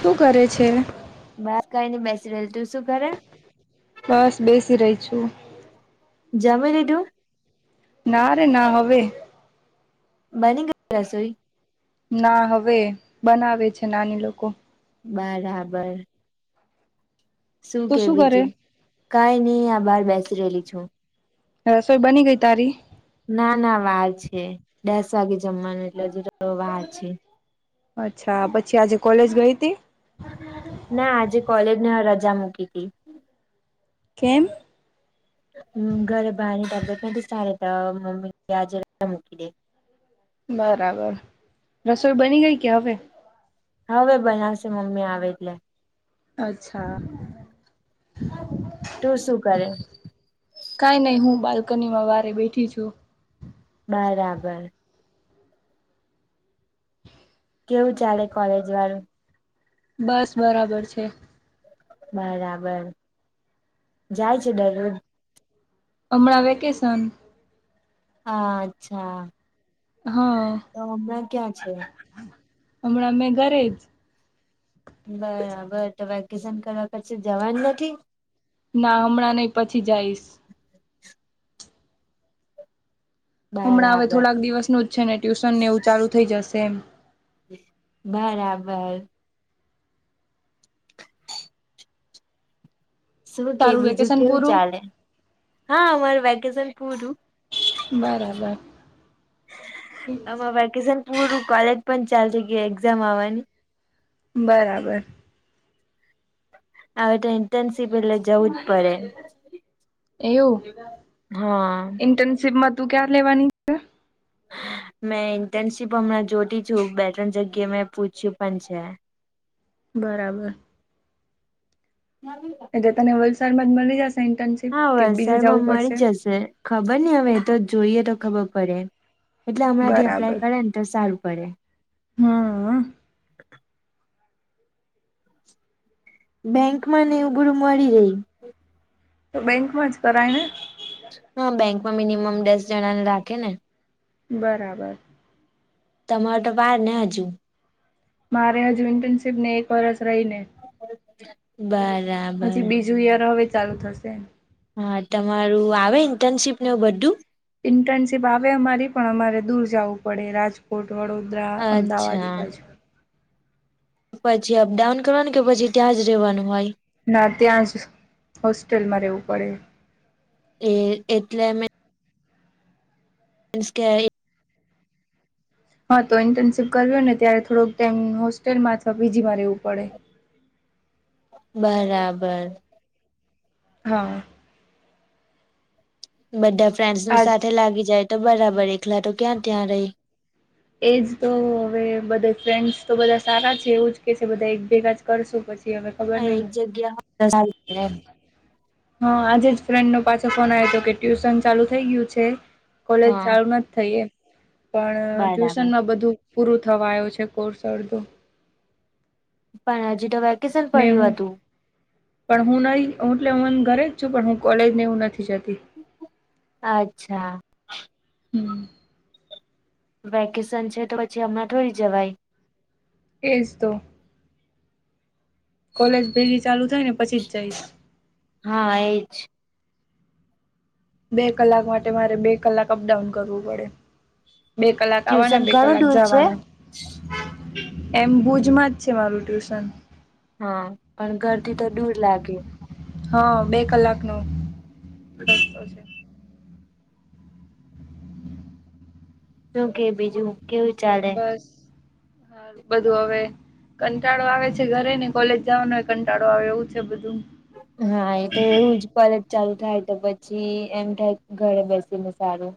શું કરે છે. બસ કઈને બેસી રહેેલ તું શું ઘરે બસ બેસી રહી છુ. જમર ના રે ના હવે બની ગઈ રસોઈ ના હવે બનાવે છે, નાની લોકો બરાબર શું તું કે કરે? બીજું કઈ નહી આ બહાર બેસી રહેલી છુ. રસોઈ બની ગઈ તારી ના ના વાર છે દસ વાગે જમવાનું એટલે હજુ તો વાર છે. અચ્છા પછી આજે કોલેજ ગઈ હતી. ના આજે કોલેજને રજા મૂકી હતી. કેમ? ઘરે બા ની તબિયત નથી સારી તો મમ્મી કે આજે રજા મૂકી દે. બરાબર રસોઈ બની ગઈ કે હવે? હવે બનાવશે મમ્મી આવે એટલે. અચ્છા તું શું કરે કઈ નહી હું બાલ્કની માં વારે બેઠી છુ. બરાબર કેવું ચાલે કોલેજ વાળુ બસ બરાબર છે. બરાબર જાય છે દરરોજ. અમણા વેકેસન. હા અચ્છા. હા. તો હમણાં ક્યાં છે. હમણાં મેં ઘરે જ. બરાબર તો વેકેશન કરવા પછી જવાન નથી? ના હમણાં નઈ પછી જઈશ. હમણાં હવે બરાબર થોડાક દિવસનું જ છે ને ટ્યુશન ને એવું ચાલુ થઈ જશે એમ. બરાબર. શું કે તારું બીજું વેકેશન કેવું પૂરું ચાલે? હા અમારું વેકેશન પૂરું. બરાબર. આમાં વેકેશન પૂરું કોલેજ પણ ચાલુ થઈ ગય એક્ઝામ આવવાની. બરાબર. હવે તો ઈન્ટર્નશીપ એટલે જવું પડે હા. ઈન્ટર્નશીપ મા તું ક્યાર લેવાની? મેં ઇન્ટર્નશીપ હમણાં જોતી છું બે ત્રણ જગ્યાએ મેં પૂછ્યું પણ છે. બરાબર. ના [inaudible] તને વલસાડમાં જ મળી જશે ઈન્ટર્નશીપ? હા વલસાડમાં મળી જ જશે. ખબર નહી હવે તો જોઈએ તો ખબર પડે એટલે હમણાંથી અપ્લાય કરે ને તો સારું પડે. હા. બેંકમાં ને એવુ બધુ મળી રહે. તો બેંકમાં જ કરાય ને? હા બેંકમાં મિનિમમ દસ જણા ને રાખે ને. બરાબર. તમારે તો વાર ને હજુ. મારે હજુ ઈન્ટર્નશીપ ને એક વર્ષ રહીને. બરાબર. ન્યુયર હવે ચાલુ થશે. હા તમારું આવે ઇન્ટર્નશીપ ન બધું? ઇન્ટર્નશીપ આવે અમારી પણ અમારે દૂર જવું પડે રાજ કોટ, વડોદરા, અમદાવાદ અચ્છા બાજુ. પછી અપડાઉન કરવાનું? કે પછી ત્યાં જ રહેવાનું હોય. ના ત્યાં જ હોસ્ટેલમાં રહેવું પડે. એ એટલે મે [inaudible] હા તો ઇન્ટર્નશીપ કર્યો ને ત્યારે થોડોક ટાઈમ હોસ્ટેલમાં અથવા પીજી માં રેવું પડે. બરાબર હહ બધા ફ્રેન્ડ્સ ને આજ સાથે લાગી જાય તો બરાબર એકલા તો ક્યાં ત્યાં રહી. એજ તો હવે બધા ફ્રેન્ડસ તો બધા સારા છે એવું જ કે છે બધા એક ભેગા જ કરશો પછી. હવે ખબર એક નહી જગ્યા હોય તો સારુ પડે એમ. હા આજે જ ફ્રેન્ડ નો પાછો ફોન આવ્યો હતો કે ટ્યુશન ચાલુ થઇ ગયું છે. કોલેજ હા ચાલુ ન થઈ એ પણ બરાબર ટ્યુશનમાં બધું. પૂરું થવા આયો છે કોર્સ અડધો. પણ અજ તો વેકે ને હૂ. પણ હું નહી હું એટલે હુ ઘરે જ છું પણ હું કોલેજ ને એવું નથી જતી. અચ્છા. હમ. વેકેશન છે તો પછી હમણાં થોડી જવાય? એજ તો. કોલેજ પેલી ચાલુ થાય ને પછી જ જાઈશ. હા એજ બે કલાક માટે મારે બે કલાક અપડાઉન કરવું પડે. બે કલાક ટ્યુશન આવાના બે ઘણું કલાક દૂર છે જાવાના. એમ ભુજમાં જ છે મારું ટ્યુશન. હા પણ ઘરથી તો દૂર લાગે. હહ બે કલાકનો રસ્તો છે. શું કે બીજું? કેવું ચાલ બસ હારુ બધું હવે કંટાળો આવે છે ઘરેને કોલેજ જાવાનો એ કંટાળો આવે એવું થયું બધું. હા એ તો એવું જ. કોલેજ ચાલુ થાય તો પછી એમ થાય ઘરે બેસીને સારું.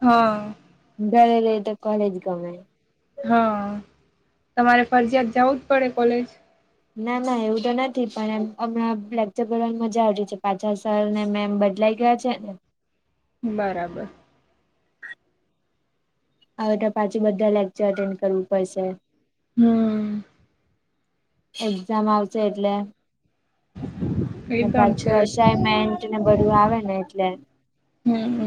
હહ ઘરે રઈ તો કોલેજ ગમે. હહ તમારે ફરજીયાત જાવું જ પડે કોલેજ? ના ના એવું તો નથી. પણ એમ હમણાં લેક્ચર ભરવાની મજા આવી રી છે પાછા સરને મેમ બદલાય ગયા છે ને. બરાબર હવે તો પાછી બધા લેક્ચર અટેન્ડ કરવું પડશે. હમ એક્ઝામ આવશે એટલે એ ને પણ છે પાછું અસાઈમેન્ટને બધું આવે ને એટલે હમ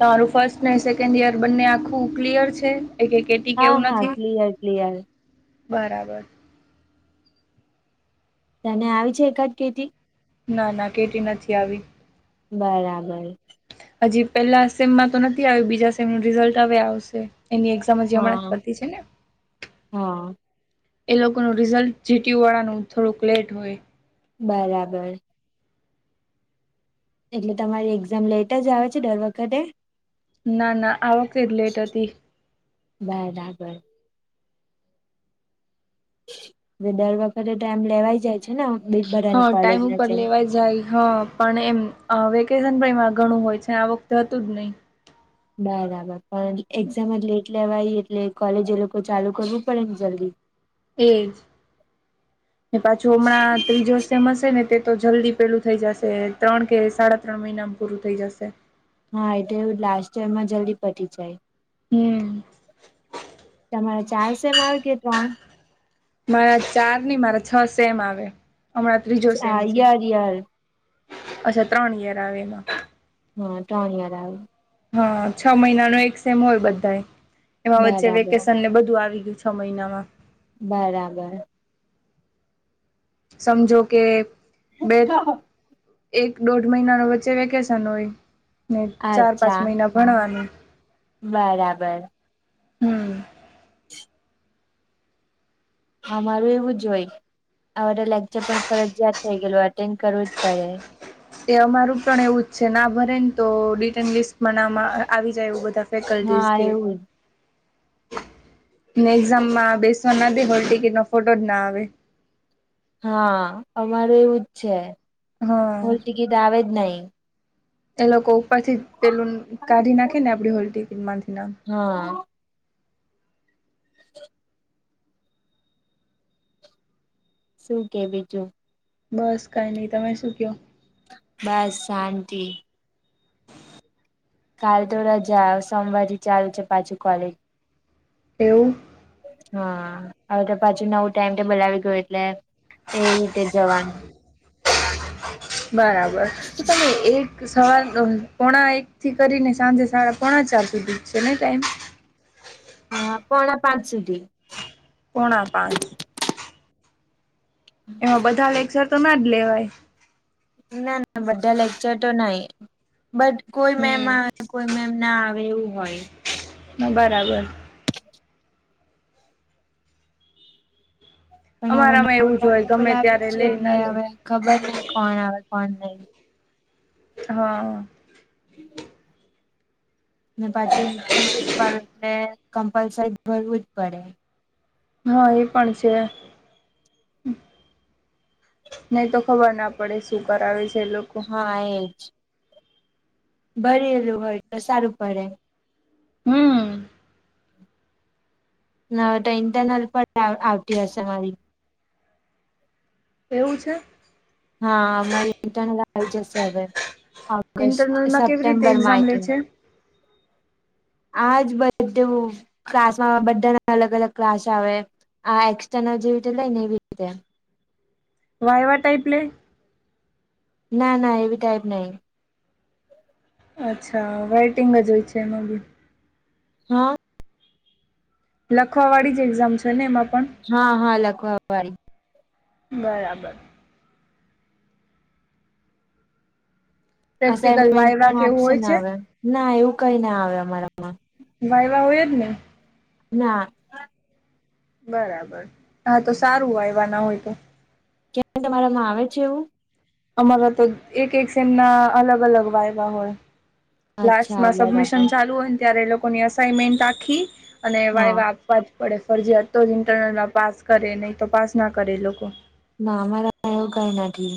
તમારું ફર્સ્ટને સેકન્ડ યર બંને આખું ક્લિયર છે? એકે કેટ ટી કે હા એવું હા નથી? ક્લિયર ક્લિયર બરાબર. તને આવી છે એકાદ કેટી? ના ના કેટી નથી આવી. બરાબર હજી પેલા સેમમાં તો નથી આવી બીજા સેમનું રિઝલ્ટ હવે આવશે એની એક્ઝા તો હજી હમણાં હા જ પતી છે ને? હા એ લોકોનું રિઝલ્ટ જીટીયુ વાળાનું થોડુંક લેટ હોય. બરાબર એટલે તમારી એક્ઝામ લેટ જ આવે છે દર વખતે? ના ના આવકઈ લેટ હતી [unintelligible] હ દર વખતે ટાઈમ લેવાઈ જાય છે ને [unintelligible] હા બેભરાની કોલેજ ટાઈમ ની ઉપર જેમ લેવાય જાય હ પણ એમ અ વેકેશન પણ એમાં ઘણું હોય છે આ વખત હતું જ ની બરાબર, પણ એક્ઝામ જ લેટ લેવાઈ એટલે કોલેજ એ લોકો ચાલુ કરવું પડે ને જલ્દી એ જ ને પાછું હમણાં ત્રીજો સેમ હશે ને તે તો જલ્દી પેલું થઈ જાશે ત્રણ કે સાડા ત્રણ મહિનામાં પૂરું થઈ જશે. હા એ તો એવું જ લાસ્ટ યરમાં જલ્દી પટી જાય. હમ તમારે ચાર સેમ આવે કે ત્રણ? મારા ચાર ની મારા છ સેમ આવે. હમણાં ત્રીજો સેમ આ છે. યર યર અચ્છા ત્રણ યર આવે એમાં હહ ત્રણ યર આવે હ, હ, છ મહિનાનો એક સેમ હોય બધાએ, એમાં વચ્ચે બરાબર વેકેશનને બધું આવી ગયું છે છ મહિનામાં બરાબર સમજો કે બે એક દોઢ મહિના નુ વચ્ચે વેકેશન હોય ને ચાર પાંચ અચ્છા મહિના ભણવાનું બરાબર હમ અમારું એવું જ હોય, આબધા લેક્ચર પણ ફરજિયાત થઇ ગયલું અટેન્ડ કરવું જ પડે તે અમારું પણ એવું જ છે, ના ભરે ને તો ડિટર્ન લિસ્ટમાં ના આવી જાય એવું બધા ફેકલ્ટી હા કે, એવું જ ને એક્ઝામમાં આપ બેસવા નાદે, હોલ ટિકિટ નો ફોટો જ ના આવે હા, અમારે એવું જ છે, હા હોલ ટિકિટ આવે જ નહી એ લોકો ઉપરથી પેલું કાઢી નાખે ને આપડી હોલ ટિકિટ માંથી ના હા [unintelligible] શું કે બીજું બસ કાઈ ની તમે શું કયો બસ શાંતિ કાલ તો રજા સોમવાર થી ચાલુ છે પાછું કોલેજ એવું હા, હવે તો પાછુ નવું ટાઈમ ટેબલ આવી ગયું એટલે એ રીતે જવાનું બરાબર, તો તમે એક સવાર પોણા એકથી કરીને સાંજે સાડા પોણા ચાર સુધી છે ને ટાઈમ હા, પોણા પાંચ સુધી પોણા પાંચ એમાં બધા લેક્ચર તો ના જ લેવાય ના, ના, બધા લેક્ચર તો નઈ બટ કોઈ મેમ હમ કોઈ મેમ ના આવે એવું હોય બરાબર પણ હવે અમારામાં નવું એવું જ હોય ટાઈમટેબલ ગમે આવ્યું ત્યારે છે, લઈ એટલે ના લે હવે ખબર નહ કોણ આવે કોણ નઈ હા હમ ને પાછી ઇન્ટર્નશીપ વાળું એટલે કમ્પલસરી ભરવું જ પડે હ, એ પણ છે નહી તો ખબર ના પડે શું કરાવે છે એ લોકો હા, એ જ ભરેલું હોય તો સારું પડે હમ ન હવે તો ઇન્ટરનલ પણ આવતી હશે મારી એવું છે હા, મારી પોતાની [unintelligible] જશે હવે ઓગસ્ટ ઇન્ટરનલમાં કેવી રીતે સપ્ટેમ્બર એક્ઝામ માર લે છે આજ બધુ ક્લાસમાં બધાના અલગ અલગ ક્લાસ આવે આ એક્સસ્ટનલ જેવી રીતે લેય એવી રીતે વાયવા ટાઈપ લે ના, ના એવી ટાઈપ નહીં. અચ્છા. વેટિંગ જ હોય છે એમાં બી. હા. લખવા વાળી જ એક્ઝામ છે ને એમાં પણ? હા, હા લખવા વાળી. બરાબર. પ્રેક્ટિકલ અસાઈન્મેન્ટ વાયવા પણ કેવું આપશે હોય ને છે હવે? ના એવું કઈ ના આવે અમારામાં. વાઈવા હોય જ ને. ના. બરાબર. હા તો સારું વાઈવા ના હોય તો. [unintelligible] તમારામાં આવે છે એવું? અમારા તો એક-એક સેમ ના અલગ-અલગ વાયવા હોય. અચ્છા લાસ્ટમાં સબમિશન બરાબર ચાલુ હોય ને ત્યારે એ લોકોની અસાઈનમેન્ટ આખી અને હા વાયવા [unintelligible] પડે ફરજીયાત, તો જ ઇન્ટરનલમાં પાસ કરે, નહીં તો પાસ ના કરે એ લોકો. ના અમારા એવું કઈ નથી.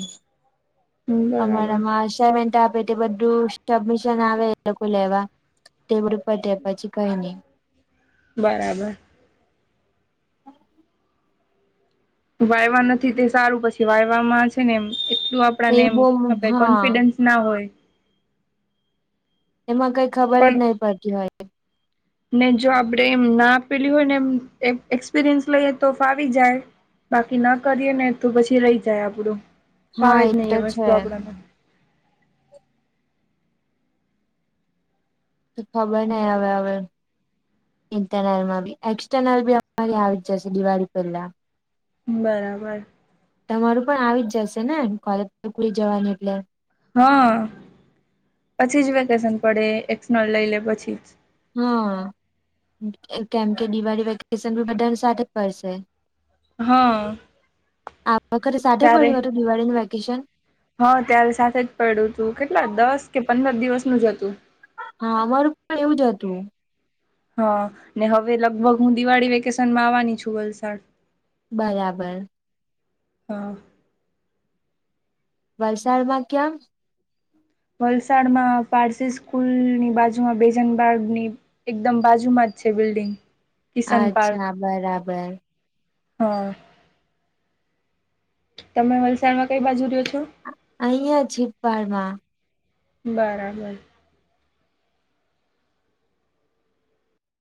બરાબર અમારા માં અસાઈમેન્ટ આપે તે બધું સબમિશન આવે એ લોકો લેવા, તે બધું પતે પછી કંઈ નહીં. બરાબર. વાઈવા નથી તે સારું, પછી વાઈવામાં છે ને એમ એટલું આપડાને એ એમ બો આપણે હા કોન્ફિડન્સ ના હોય. એમાં કંઈ ખબર પણ જ નહીં પડતી હોય. ને જો આપડે એમ ના આપેલી હોય ને એમ એક એક્સપિરિયન્સ લઈએ તો ફાવી જાય. બાકી ના કરીએ ને તો પછી રહી જાય આપડું, હા ફાવે જ નહી તો એ વસ્તુ છે આપણામાં. તો ખબર નહીં હવે-હવે. ઇન્ટરનલ માં બી, એક્સટર્નલ બી અમારી આવી જશે દિવાળી પહેલા. બરાબર. તમારું પણ આવી જ જશે ને? કોલેજ [inaudible] જવાની એટલે. હા. પછી જ વેકેશન પડે, એક્શનલ લઈ લે પછી જ. હા. કેમ કે દિવાળી વેકેશન બી બધાનું સાથે પડશે. હા. [unintelligible] સાથે ત્યારે પડ્યું હતું દિવાળીનું વેકેશન? હા ત્યારે સાથે જ પયડું તું. કેટલા દસ કે પંદર દિવસનું જ હતું. હા, અમારું પણ એવું જ હતું. હા. ને હવે લગભગ હું દિવાળી વેકેશન માં આવવાની છું વલસાડ. બરાબર. હા. વલસાડમાં કેમ? વલસાડમાં પારસી સ્કૂલની બાજુમાં બેજનબાગની એકદમ બાજુમાં જ છે બિલ્ડિંગ. કિશન પાર્ક, અચ્છા બરાબર હા. તમે વલસાડમાં કઈ બાજુ રહ્યો છો? અહીયાં છિપાડ માં. બરાબર.